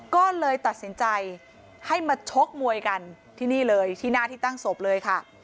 ก็เลยตัดสินใจให้มาชกมวยกันที่นี่เลยที่หน้าที่ตั้งศพเลยค่ะ